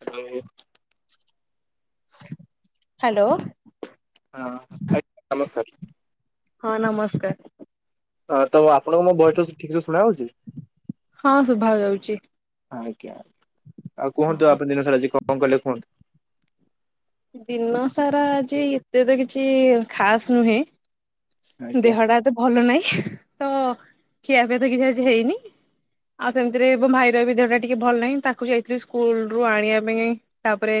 Hello. Hello. ହଁ ଆ hello sir. ହଁ ନମସ୍କାର। ହଁ ତ ଆପଣଙ୍କୁ ମୋ ଭଏସଟା ଠିକ ସେ ଶୁଣା ହଉଛି? ହଁ ଶୁଭା ଯାଉଛି। ଆଜ୍ଞା ଆଉ କୁହନ୍ତୁ ଆପଣ ଦିନ ସାରା ଆଜି କଣ କଲେ କୁହନ୍ତୁ? ଦିନ ସାରା ଆଜି ଏତେ ତ କିଛି ଖାସ୍ ନୁହେଁ। ଆଜ୍ଞା। ଦେହଟା ଏତେ ଭଲ ନାହିଁ ତ ଖିଆପିଆ ତ କିଛି ଆଜି ହେଇନି। ଆଉ ସେମିତିରେ ମୋ ଭାଇର ବି ଦେହଟା ଟିକେ ଭଲ ନାହିଁ ତାକୁ ଯାଇଥିଲି ସ୍କୁଲରୁ ଆଣିବା ପାଇଁ। ତାପରେ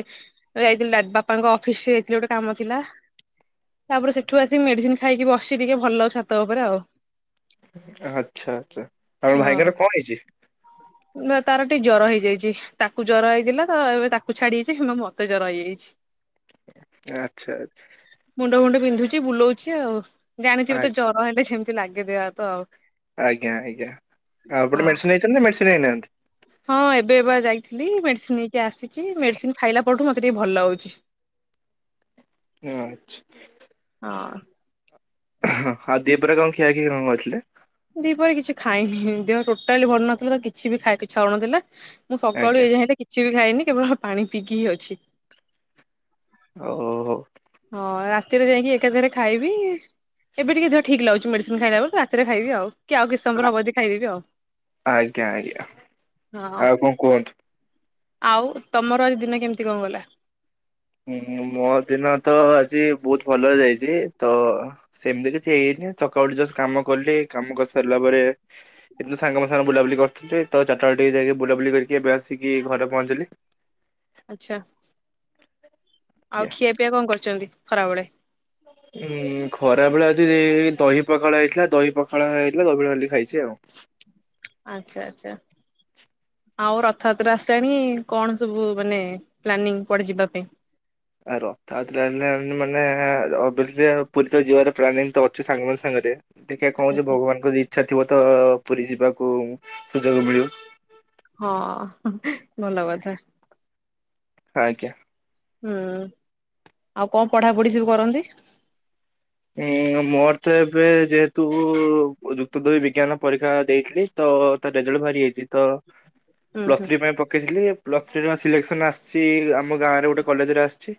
ଯାଇଥିଲି ଦା ବାପାଙ୍କ ଅଫିସରେ ଯାଇଥିଲି ଗୋଟେ କାମ ଥିଲା। ତାପରେ ସେଠୁ ଆସିକି ମେଡିସିନ ଖାଇକି ବସିଛି ଟିକେ ଭଲ ଛାତ ଉପରେ ଆଉ ଆଚ୍ଛା ଆଚ୍ଛା ଆପଣ ଭାଇଙ୍କର କଣ ହେଇଛି? ନା ତାର ଟିକେ ଜ୍ୱର ହେଇଯାଇଛି ତାକୁ ଜ୍ୱର ହେଇଥିଲା ତ ଏବେ ତାକୁ ଛାଡି ଯାଇଛି ମତେ ଜ୍ୱର ହେଇଯାଇଛି। [inaudible] ଆଚ୍ଛା ଆଚ୍ଛା। ମୁଣ୍ଡ ଫୁଣ୍ଡ ବିନ୍ଧୁଛି ବୁଲଉଛି ଆଉ ଆଚ୍ଛା ଜାଣିଥିବେ ତ ଆଜ୍ଞା ଜର ହେଲେ ଯେମିତି ଲାଗେ ଦେହ ହାତ ଆଉ ଆଜ୍ଞା ଆଜ୍ଞା ଆଉ ହଁ। ଆପଣ ମେଡ଼ିସିନ ନେଇଛନ୍ତି ମେଡ଼ିସିନ ନେଇନାହାନ୍ତି? ହଁ ଏବେ ବା ଯାଇଥିଲି ମେଡ଼ିସିନ ନେଇକି ଆସିଛି ମେଡ଼ିସିନ ଖାଇଲା ପରଠୁ ମୋତେ ଟିକେ ଭଲ ଲାଗୁଛି। ଆଛା। ହଁ। ହଁ ଆଉ ଦି ପହରେ କଣ ଖିଆ ଖି କଣ କରିଥିଲେ? ଦିପରେ କିଛି ଖାଇନି ଦେହ ଟୋଟାଲି ଭଲ ନଥିଲା ତ କିଛି ବି ଖାଇବାକୁ ଇଚ୍ଛା ହଉନଥିଲା। ମୁଁ ସକାଳୁ ଆଜ୍ଞା ଏ ଯାଏଁ ତ କିଛି ବି ଖାଇନି କେବଳ ପାଣି ପିଇକି ହିଁ ଅଛି। ଓହୋ ହୋ। ହଁ ରାତିରେ ଯାଇକି ଏକାଥରେ ଖାଇବି ଏବେ ଟିକେ ଦେହ ଠିକ ଲାଗୁଛି ମେଡିସିନ ଖାଇଲା ବେଳକୁ ରାତିରେ ଖାଇବି ଆଉ କି ଆଉ କିଛି ସମୟ ପରେ ହବ ଯଦି ଖାଇଦେବି ଆଉ ଆଜ୍ଞା ଆଜ୍ଞା ହଁ। ଆଉ କଣ କୁହନ୍ତୁ? ଆଉ ତମର ଆଜି ଦିନ କେମିତି କଣ ଗଲା? ହୁଁ ମୋ ଦିନ ତ ଆଜି ବହୁତ ଭଲରେ ଯାଇଛି ତ ସେମିତି କିଛି ହେଇନି ସକାଳୁ ଉଠି ଯଷ୍ଟ କାମ କଲି କାମ କରିସାରିଲା ପରେ [inaudible] ଏମିତି ସାଙ୍ଗ ସାଙ୍ଗ ବୁଲାବୁଲି କରିଥିଲି ତ ଚାରଟା ବେଳେ ଟିକେ ଯାଇକି ବୁଲାବୁଲି କରିକି ଏବେ ଆସିକି ଘରେ ପହଞ୍ଚିଲି। ଆଚ୍ଛା। ଆଉ ଆଜ୍ଞା। ଖିଆ ପିଆ କଣ କରିଛନ୍ତି ଖରାବେଳେ? ଏ ଖରାବେଳେ ଆଜି ଦହି ପଖାଳ ହେଇଥିଲା ଦହି ପଖାଳ ହେଇଥିଲା ଦହି ପଖାଳ ଖାଲି ଖାଇଛି ଆଉ ଆଚ୍ଛା ଆଚ୍ଛା। ଆଉ ରଥଯାତ୍ରା ଆସିଲାଣି କଣ ସବୁ ମାନେ ପ୍ଲାନିଂ କୁଆଡେ ଯିବା ପାଇଁ? ଆ ରଥଯାତ୍ରା ହେଲା ମାନେ ଅ ପୁରୀ ତ ଯିବାର ପ୍ଲାନିଂ ତ ଅଛି ସାଙ୍ଗମାନ ସାଙ୍ଗରେ ଦେଖିବା କଣ ଯେ ଭଗବାନଙ୍କ ଯଦି ଇଛା ଥିବ ତ ପୁରୀ ଯିବାକୁ ସୁଯୋଗ ମିଳିବ। ହଁ ଭଲ କଥା। ଆଜ୍ଞା। ହୁଁ ଆଉ କଣ ପଢାପଢି ସବୁ କରନ୍ତି? ଏ ମୋର ତ ଏବେ ଯେହେତୁ ଯୁକ୍ତଦୁଇ ବିଜ୍ଞାନ ପରୀକ୍ଷା ଦେଇଥିଲି। ତ ତାର ରେଜଲ୍ଟ ଭାରି ଯାଇଛି ତ ହୁଁ ପ୍ଲସ ହୁଁ ଥ୍ରୀ ପାଇଁ ପକେଇଥିଲି ପ୍ଲସ୍ ଥ୍ରୀରେ ସିଲେକ୍ସନ୍ ଆସିଛି ଆମ ଗାଁରେ ଗୋଟେ କଲେଜରେ ଆସିଛି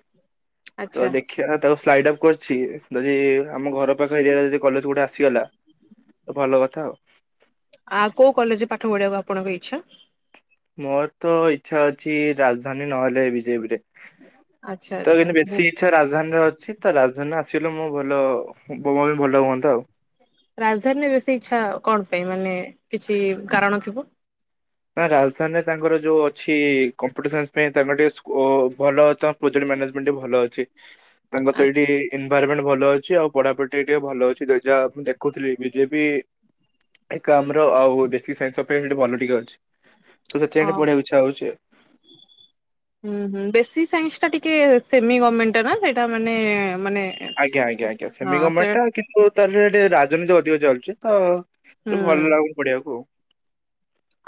ତ ଆଚ୍ଛା ଦେଖ ଦେଖିଆ ତାକୁ ସ୍ଲାଇଡ୍ ଅପ୍ କରିଛି। ଯଦି ଆମ ଘର ପାଖ ଏରିଆରେ ଯଦି କଲେଜ ଗୋଟେ ଆସିଗଲା ତ ଭଲ କଥା ଆଉ ଆଉ କୋଉ କଲେଜରେ ପାଠ ପଢିବାକୁ ଆପଣଙ୍କ ଇଚ୍ଛା? ମୋର ତ ଇଚ୍ଛା ଅଛି ରାଜଧାନୀ ନହେଲେ ବିଜେପି ରେ? ଆଚ୍ଛା ତ ଆଚ୍ଛା କିନ୍ତୁ ବେଶୀ କିଛ ରାଜଧାନୀରେ ଅଛି ତ ରାଜଧାନୀରେ ଆସିଲେ ମୋ ଭଲ [inaudible] ବି ଭଲ ହୁଅନ୍ତା ଆଉ ରାଜଧାନୀରେ ବେଶୀ ଇଛା କଣ ପାଇଁ ମାନେ କିଛି କାରଣ ଥିବ? ନା ରାଜଧାନୀରେ ତାଙ୍କର ଯୋଉ ଅଛି କମ୍ପିଟରସନ୍ସ ପାଇଁ ତାଙ୍କର ଟିକେ ସ୍କୋ ଭଲ ତ ପ୍ରୋଜେକ୍ଟ ମାନେଜ ମିଣ୍ଡି ଭଲ ଅଛି ତାଙ୍କ ସେଇଠି ଏନଭାରମେଣ୍ଟ ଭଲ ଅଛି ଆଉ ପଢାପଢି ଟିକେ ଭଲ ଅଛି। ଯେ ଯାହା ମୁଁ ଦେଖୁଥିଲି ବିଜେପି ଏକାମ୍ର ଆଉ ବେସିକ୍ ସାଇନ୍ସ ପାଇଁ ସେଇଠି ଭଲ ଟିକେ ଅଛି। ତ ସେଥିପାଇଁ ଟିକେ ପଢିବାକୁ ଇଚ୍ଛା ହୋଉଛି ଆଉ। ହଁ ହୁଁ ହୁଁ ବେଶୀକ ସାଇନ୍ସ ଟା ଟିକେ ସେମି ଗମେଣ୍ଟ ସେଇଟା ମାନେ ମାନେ ଆଜ୍ଞା ଆଜ୍ଞା ଆଜ୍ଞା ସେମି ହଁ ସେ ଗର୍ମେଣ୍ଟା କିନ୍ତୁ ତାହ ରାଜନୀତି ଅଧିକ ଚାଲୁଛି ତ ହୁଁ ଟିକେ ଭଲ ଲାଗୁନି ପଢିବାକୁ ଆଉ।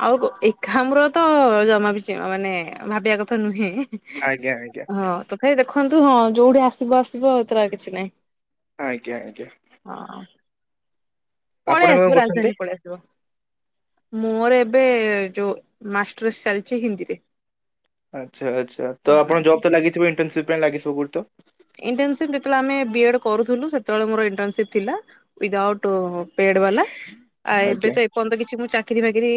ଆଉ ଏକାମ୍ର ତ ଜମା ବି ମାନେ ଭାବିବା କଥା ନୁହେଁ। ଆଜ୍ଞା ଆଜ୍ଞା। ଏଇ ଦେଖନ୍ତୁ ହଁ ଯୋଉଠି ଆସିବ ଆସିବ ଏଥରେ ଆଉ କିଛି ନାଇଁ। ଆଜ୍ଞା ଆଜ୍ଞା। ହଁ। ଆପଣ ପଳେଇ ଏବେ କଣ ଆସିବ କରୁଛନ୍ତି? ରାଜଧାନୀ ପଳେଇ ଆ ମୋର ଏବେ ଯୋଉ ମାଷ୍ଟର୍ସ ଚାଲିଛି ହିନ୍ଦୀରେ। ଆଚ୍ଛା ଆଚ୍ଛା ତ ଆପଣ ଜବ୍ ତ ଲାଗିଥିବ ଇଣ୍ଟନ୍ସିପ ପାଇଁ ଲାଗଥିବ କୋଉଠି ତ। ଇଣ୍ଟନ୍ସିପ ଯେତେବେଳେ ଆମେ ବି ଏଡ୍ କରୁଥିଲୁ ସେତେବେଳେ ମୋର ଇଣ୍ଟନସିପ ଥିଲା। ୱିଦାଉଟ୍ ପେଡ ବାଲା। ଆ ଏବେ ଆଜ୍ଞା ତ ଏପର୍ଯ୍ୟନ୍ତ କିଛି ମୁ ଚାକ୍ ଚାକିରି ବାକିରି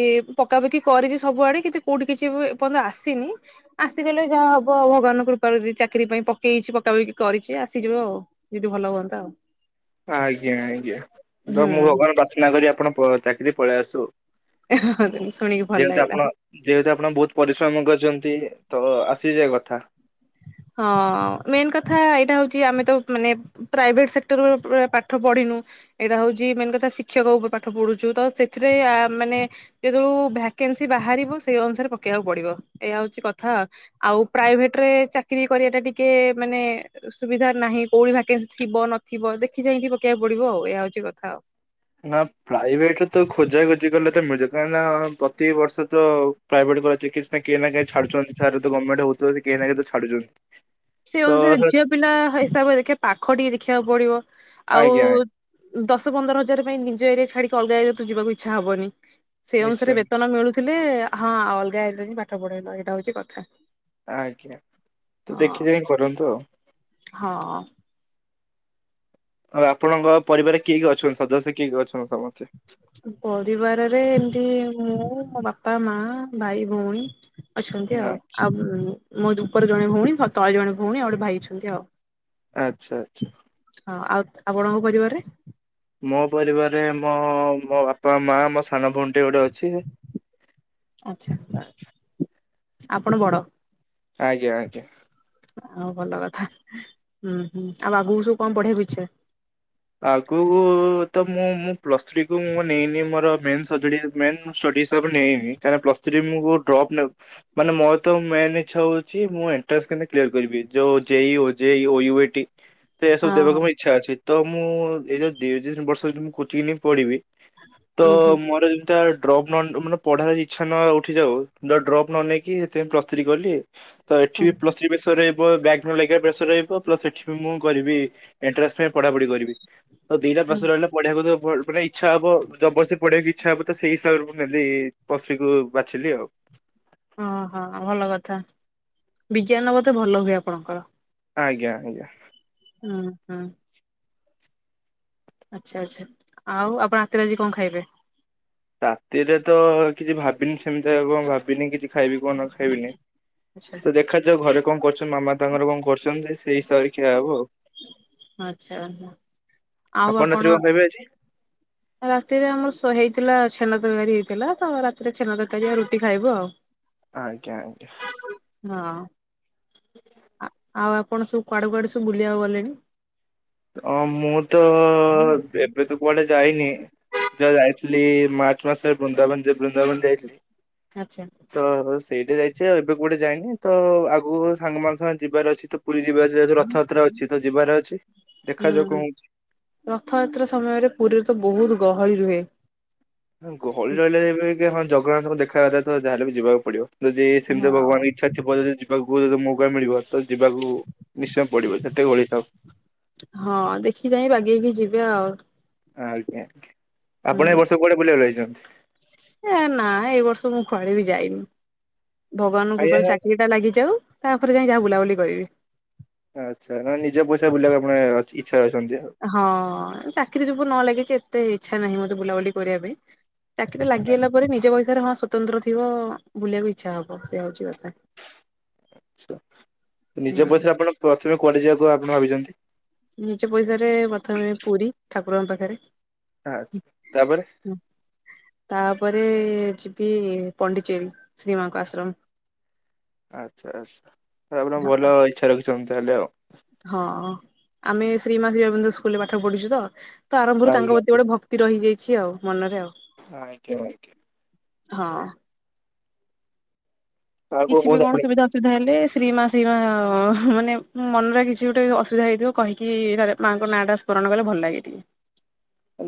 ପକାପକି କରିଛି ସବୁ ଆଡେ। କିନ୍ତୁ କୋଉଠି କିଛି ଏ ପର୍ଯ୍ୟନ୍ତ ଆସିନି ଆସିଗଲେ ଯାହା ହବ ଭଗବାନଙ୍କ କୃପାରୁ ଯଦି ଚାକିରି ପାଇଁ ପକେଇଛି ପକ - ତ କରିଛି ଆସିଯିବ ଆଉ ଯଦି ଭଲ ହୁଅନ୍ତା ଆଉ। ଆଜ୍ଞା ଆଜ୍ଞା ତ ହୁଁ ମୁଁ ଭଗବାନଙ୍କୁ ପ୍ରାର୍ଥନା କରି ଆପଣ ଚାକିରି ପଳେଇ ଆସୁ। ଶୁଣିକି ଭଲ ଯେହେତୁ ଆପଣ ଲାଗିଲା। ଯେହେତୁ ଆପଣ ବହୁତ ପରିଶ୍ରମ କରିଛନ୍ତି ତ ଆସିଯିବା କଥା। ହଁ ମେନ୍ କଥା ଏଇଟା ହଉଛି ଆମେ ତ ମାନେ ପ୍ରାଇଭେଟ ସେକ୍ଟର ପ ପାଠ ପଢିନୁ। ଏଇଟା ହଉଛି ମେନ୍ କଥା ଶିକ୍ଷକ ଉପରେ ପାଠ ପଢୁଛୁ ତ ସେଥିରେ ଆ ମାନେ ଯେତେବେଳୁ ଭ୍ୟାକେନ୍ସି ବାହାରିବ ସେଇ ଅନୁସାରେ ପକେଇବାକୁ ପଡିବ। ଏୟା ହୋଉଛି କଥା। ଆଉ ପ୍ରାଇଭେଟରେ ଚାକିରିୀ କରିବା ଟା ଟିକେ ମାନେ ସୁବିଧା ନାହିଁ କୋଉଠି ଭାକେନ୍ସି ଥିବ ନଥିବ ଦେଖି ଯାଇକି ପକେଇକୁ ପଡିବ ଆଉ ଏହା ହଉଛି କଥା ଆଉ। ନା ପ୍ରାଇଭେଟରେ ତ ଖୋଜାଖୋଜି କଲେ ତ ମିଳୁଯ କାହିଁକିନା ପ୍ରତିିବର୍ଷ ତ ପ୍ରାଇଭେଟ୍ ଚିକ୍ସ କେହି ନା କେହିଁ ଛାଡୁଛନ୍ତି ଛୁଆ ତ ଗର୍ଣ୍ଣେଣ୍ଟ ହେଉଛନ୍ତି କେହି ନା କେହି ତ ଛାଡୁଛନ୍ତି। ସେଇ ତ ଅନୁସାରେ ସେ- ଝିଅ ପିଲା ହିସାବରେ ଦେଖିବ ପାଖ ଟିକେ ଦେଖିବାକୁ ପଡିବ ଆଉ ଆଜ୍ଞା ଆଜ୍ଞା, ଦଶ ପନ୍ଦର ହଜାର ପାଇଁ ନିଜ ଏରିଆ ଛାଡିକି ଅଲଗା ଏରିଆ ତ ଯିବାକୁ ଇଛା ହବନି। ସେଇ ଅନୁସାରେ ନିଶ୍ଚୟ ନିଶ୍ଚୟ। ବେତନ ମିଳୁଥିଲେ ହଁ ଅଲଗା ହେଇ ପାଠ ପଢେଇଲା ଏଇଟା ହଉଛି କଥା। ଆଜ୍ଞା ତ ହଁ ଦେଖି ଚାହିଁ କରନ୍ତୁ ଆଉ। ହଁ। ଆଉ ଆପଣଙ୍କ ପରିବାରରେ କିଏ କିଏ ଅଛନ୍ତି ସଦସ୍ୟ କିଏ କିଏ ଅଛନ୍ତି ସମସ୍ତେ? ପରିବାରରେ ଏମିତି ମୁଁ ମୋ ବାପା ମା ଭାଇ ଭଉଣୀ। ଅଛନ୍ତି ନା, ଆଉ ଆଉ ମୋ ଉପରେ ଜଣେ ଭଉଣୀ ତଳେ ଜଣେ ଭଉଣୀ ଆଉ ଗୋଟେ ଭାଇ ଅଛନ୍ତି ଆଉ। ଆଚ୍ଛା ଆଚ୍ଛା। ହଁ ଆଉ ତ ଆପଣଙ୍କ ପରିବାରରେ? ମୋ ପରିବାରରେ ମୋ ମୋ ବାପା ମା ମୋ ସାନ ଭଉଣୀଟେ ଗୋଟେ ଅଛି। ଆଛା ଆପଣ ବଡ? ଆଜ୍ଞା ଆଜ୍ଞା। ଆଉ ଭଲ କଥା। ହୁଁ ହୁଁ ଆଉ ଆଗକୁ ସବୁ କଣ ପଢିବାକୁ ଇଛା? ଆଗକୁ ତ ମୁଁ ମୁଁ ପ୍ଲସ ଥ୍ରୀ କୁ ମୁ ନେଇନି ମୋର ମେନ ସଜ ମେନ୍ ଷ୍ଟଡି ହିସାବରେ ନେଇନି। କାଇଁନା ପ୍ଲସ ଥ୍ରି ମୁଁ ବହୁତ୍ ଡ୍ରପ୍ ନଉ ମାନେ ମୋର ତ ମେନ୍ ଇଚ୍ଛା ହୋଉଛି ମୁଁ ଏଣ୍ଟ୍ରାନ୍ସ କେମତି କ୍ଲିୟର କରିବି ଯୋଉ ଯେ ଇ ଓ ଜେଇ ଓ ୟୁ ଏ ଟି। ହ। ତ ଏଇଆ ସବୁ ଦେବାକୁ ମୁଁ ଇଛା ଅଛି। ତ ମୁଁ ଏଇ ଯୋଉ ଦି ତିନ ବର୍ଷ ଯଦି ମୁଁ କୋଚିଂ ନେଇକି ପଢିବି ତ ଉଁ ହୁଁ ମୋର ଏଇ ତ ଡ୍ରପ ନ ମାନେ ପଢାର ଇଛା ନୁ ଉଠିକି ଆଉ, ଡ୍ରପ ନ ନେଇକି ସେଥିପାଇଁ ପ୍ଲସ୍ ଥ୍ରୀ କଲି। ତ ଏଠି ହୁଁ ବି ପ୍ଲସ ଥ୍ରୀ ପ୍ରେସର ରହିବ, ବ୍ୟାକ୍ ନ ଲାଗିବା ପ୍ରେସର ରହିବ, ପ୍ଲସ୍ ଏଠି ବି ମୁଁ କରିବି ଏଣ୍ଟ୍ରାନ୍ସ ପାଇଁ। ପଢାପଢି କରିବି, ତ ଦିଟା ହୁଁ ପ୍ରେସର ରହିଲା। ପଢିବାକୁ ତ ମାନେ ଇଛା ହବ ଜବରସି ପଢିବାକୁ ଇଛା ହବ ତ, ସେଇ ହିସାବରେ ମୁଁ ନେଲି ପଶୀକୁ ବାଛିଲି ଆଉ। ଓହୋ ଭଲ କଥା, ବିଜ୍ଞାନ ବୋଧେ ଭଲ ହୁଏ ଆପଣଙ୍କର। ଆଜ୍ଞା ଆଜ୍ଞା। ହୁଁ ହୁଁ। ଆଛା, ଆଛା, ଆଉ ଆପଣ ଆତିରେ ଆଜି କଣ ଖାଇବେ। ରାତିରେ ତ କିଛି ଭାବିନି, ସେମିତି କଣ ଭାବିନି, କିଛି ଖାଇବି କଣ, ନ ଖାବିନି ଆଚ୍ଛା ତ ଦେଖା ଯୋଉ ଘରେ କଣ କରୁଛନ୍ତି, ମାମା ତାଙ୍କର କଣ କରୁଛନ୍ତି, ସେଇ ହିସାବରେ ଖିଆ ହବ ଆଉ। ଆଛା, ଆଉ ରାତିରେ ଆପଣ? କଣ ଖାଇବେ ଆଜି? ରାତିରେ ଆମର ହେଇଥିଲା ଛେନା ତରକାରୀ ହେଇଥିଲା, ତ ରାତିରେ ଛେନା ତରକାରୀ ଆଉ ରୁଟି ଖାଇବୁ ଆଉ। ଆଜ୍ଞା ଆଜ୍ଞା। ହଁ ଆଉ ଆପଣ ସବୁ କୁଆଡେ କୁଆଡେ ସବୁ ବୁଲିବାକୁ ଗଲେଣି? ହଁ ମୁଁ ତ ଏବେ ତ କୁଆଡେ ଯାଇନି। ଯା ଯାଇଥିଲି ମାର୍ଚ୍ଚ ମାସରେ ବୃନ୍ଦାବନ, ବୃନ୍ଦାବନ ଯାଇଥିଲି। ଆଛା। ତ ସେଇଠି ଯାଇଛି ଆଉ ଏବେ କୁଆଡେ ଯାଇନି ତ, ଆଗକୁ ସାଙ୍ଗମାନ ସାଙ୍ଗ ଯିବାର ଅଛି ତ। ପୁରୀ ଯିବାର ଅଛି, ଯେହେତୁ ରଥଯାତ୍ରା ଅଛି ତ ଯିବାର ଅଛି, ଦେଖାଯାଉ କଣ ହୁଁ ହଉଛି? ରଥଯାତ୍ରା ସମୟରେ ପୁରୀରେ ତ ବହୁତ ଗହଳି ରୁହେ। ଗହଳି ରହିଲେ ହଁ ଜଗନ୍ନାଥଙ୍କୁ ଦେଖା [unintelligible] ତ ଯାହେଲେ ବି ଯିବାକୁ ପଡିବ। ଯଦି ସେମିତି ହଁ ଭଗବାନଙ୍କ ଇଛା ଥିବ ଯଦି ଯିବି। ଯିବାକୁ ଯଦି ମୌକା ମିଳିବ, ତ ଯିବାକୁ ନିଶ୍ଚୟ ପଡିବ, ଯେତେ ଗହଳି ଥାଉ। ହଁ ଦେଖି ଯାଇ ବାଗେଇକି ଯିବ ଆଉ। ଆଜ୍ଞା, ଆପଣ ହୁଁ ଏ ବର୍ଷ କୁଆଡେ ବୁଲିବାକୁ ଯାଇଚନ୍ତି? ଏ ନା, ଏଇ ବର୍ଷ ମୁଁ କୁଆଡେ ବି ଯାଇନି। ଭଗବାନଙ୍କୁ କୃପାରୁ ଆଜ୍ଞା ଚାକିରି ଟା ଲାଗିଯାଉ, ତାପରେ ଯାଇ ଯାହା ବୁଲାବୁଲି କରିବି। ଆଛା, ମାନେ ନିଜ ପଇସା ବୁଲିବାକୁ ଆପଣ ଇଛା ଅଛନ୍ତି ଆଉ। ହଁ, ଚାକିରି [unintelligible] ନ ଲାଗିଛି ଏତେ ଇଛା ନାହିଁ ମୋର ବୁଲାବୁଲି କରିବା ପାଇଁ। ଚାକିରି ଆଚ୍ଛା ଲାଗିଗଲା ପରେ, ନିଜ ପଇସାରେ ହଁ ସ୍ଵତନ୍ତ୍ର ଥିବ ବୁଲିବାକୁ ଇଛା ହବ, ସେ ହଉଛି କଥା। ଆଛା, ନିଜ ହୁଁ ପଇସାରେ ଆପଣ ପ୍ରଥମେ କୁଆଡେ ଯିବାକୁ ଆପଣ ଭାବିଛନ୍ତି? ନିଜ ପଇସା ରେ ପ୍ରଥମେ ପୁରୀ, ଠାକୁରଙ୍କ ପାଖରେ। ଆଛା, ତାପରେ ତାପରେ ଯିବି ପଣ୍ଡିଚେରି, ଶ୍ରୀ ମାଙ୍କ ଆଶ୍ରମ। ଆଛା ଆଛା, [unintelligible] ଆପଣ ହଁ। ଭଲ ଇଛା ରଖିଛନ୍ତି ତାହେଲେ ଆଉ ହଁ, ଆମେ ଶ୍ରୀ ମା ଅରବିନ୍ଦ ସ୍କୁଲରେ ପାଠ ପଢ଼ିଛୁ ତ, ତ ଆରମ୍ଭରୁ ଆଜ୍ଞା ତାଙ୍କ ପ୍ରତି ଗୋଟେ ଭକ୍ତ ତି ରହିଯାଇଛି ଆଉ, ମନରେ ଆଉ ଆଜ୍ଞା ଆଜ୍ଞା। ହଁ ଅ। ଆଉ କିଛି ବି କୁହନ୍ତୁ କଣ ଆପଣ ସୁବିଧା ଅସୁବିଧା ହେଲେ ଶ୍ରୀମା, ଶ୍ରୀମା ମାନେ ମନରେ କିଛି ଗୋଟେ ଅସୁବିଧା ହେଇଥିବ କହିକି ମାଙ୍କ ନାଁଟା ସ୍ମରଣ କଲେ ଭଲ ଲାଗେ ଟିକେ।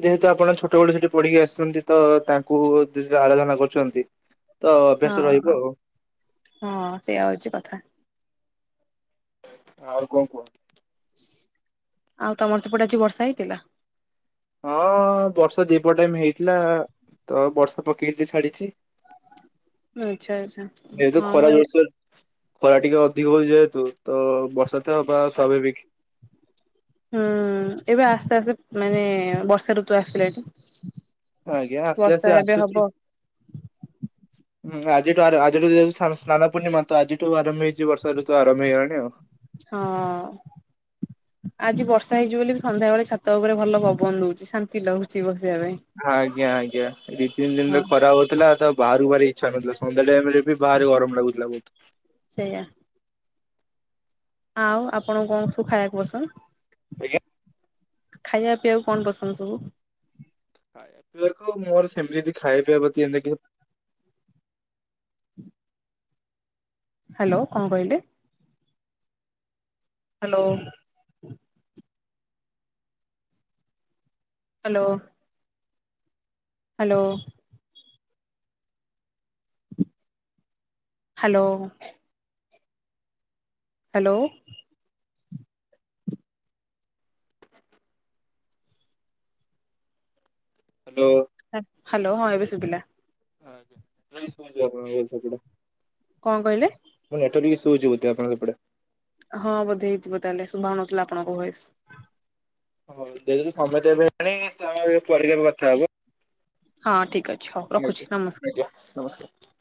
ଯେହେତୁ ଆପଣ ଛୋଟବେଳୁ ସେଇଠି ପଢ଼ିକି ଆସୁଛନ୍ତି ତ, ତାଙ୍କୁୁଇ ଆରାଧନା କରୁଛନ୍ତି। ତ ହଁ ଅଭ୍ୟାସ ରହିବ ଆଉ ହଁ ସେଇୟା ହଉଛି କଥା। ଆଉ କଣ କୁହ? ଆଉ ତମର ସେପଟେ ଆଜି ବର୍ଷା ହେଇଥିଲା? ହଁ ବର୍ଷା ଦିପହର ଟାଇମ ହେଇଥିଲା। ତ ବର୍ଷା ପକେଇକି ଟିକେ ଛାଡ଼ିଛି। ଆଛା ଆଛା ଯେହେତୁ ହଁ ଖରା ମୁଁ ଜୋରସୋର ଖରା ଟିକେ ଅଧିକ ହଉଚି ଯେହେତୁ ତ ବର୍ଷା ତ ହବା ସ୍ୱାଭାବିକ। ହୁଁ ଏବେ ଆସ୍ତେ ଆସ୍ତେ ମାନେ ବର୍ଷା ଋତୁ ଆସିଲା ଏଠି। ଆଜ୍ଞା ଆସ୍ତେ ଆସ୍ତେ ବର୍ଷା ଏବେ ଆସୁଛି। ହବ। ହୁ ଆଜିଠୁ ଆର ଆଜିଠୁ ଯଦି ସ୍ନାନ ପୂର୍ଣ୍ଣିମା ତ ଆଜିଠୁ ଆରମ୍ଭ ହେଇଛି ବର୍ଷା ଋତୁ ଆରମ୍ଭ ହେଇଗଲାଣି ଆଉ। ହଁ ଅଁ ଆଜି ବର୍ଷା ହେଇଯିବ ବୋଲି ସନ୍ଧ୍ୟା ବେଳେ ଛାତ ଉପରେ ଭଲ ପବନ ଦଉଛି ଶାନ୍ତି ଲାଗଛି ବସିବା ପାଇଁ। ଆଜ୍ଞା ଆଜ୍ଞା ଦି ତିନି ଦିନରେ ହଁ ଖରା ହଉଥିଲା ତ ବାହାରୁ ବାହାରିବାକୁ ଇଛା ନଥିଲା ସନ୍ଧ୍ୟା ଟାଇମରେ ବି ବାହାରେ ଗରମ ଲାଗୁଥିଲା ବହୁତ। ସେଇଆା। ଆଉ ଆପଣଙ୍କୁ କଣ ସବୁ ଖାଇବାକୁ ପସନ୍ଦ? ଆଜ୍ଞା। ଖାଇବା ପିଇବାକୁ କଣ ପସନ୍ଦ ସବୁ? ଖାଇବା ପିଇବା କଣ ମୋର ସେମିତି ଖାଇବା ପିଇବା ପ୍ରତି ଏମତି କେଭେ ହ୍ୟାଲୋ କଣ କହିଲେ? Hello. Hello. Hello. Hello. Hello. Hello. Hello ହଁ ଏବେ ସୁଭିଲା। ଆଜ୍ଞା। [inaudible] ଆପଣଙ୍କର ଇଛା ଥିଲା। କଣ କହିଲେ? ମୁଁ କହିଲି [inaudible] ଆପଣଙ୍କ ହେପଟେ ହଁ ବୋଧେ ହେଇଥିବ ତାହେଲେ ଶୁଭାଯାଉ ନଥିଲା ଆପଣଙ୍କ ଭଏସ। ହଉ ଯଦି ସମୟ ଦେବେନି ତାହେଲେ ପରେ କେବେ କଥା ହବା। ହଁ ଠିକ ଅଛି। ହଉ ରଖୁଛି ଆଜ୍ଞା ନମସ୍କାର। ଆଜ୍ଞା ନମସ୍କାର।